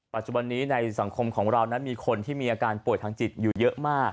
ปัจจุบันนี้ในสังคมของเรานั้นมีคนที่มีอาการป่วยทางจิตอยู่เยอะมาก